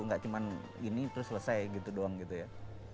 enggak cuman ini terus selesai gitu doang gitu ya